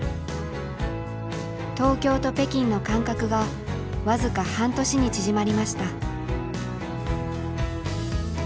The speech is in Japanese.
東京と北京の間隔が僅か半年に縮まりました。